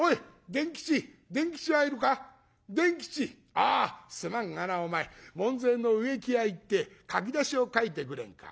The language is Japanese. ああすまんがなお前門前の植木屋行って書き出しを書いてくれんか。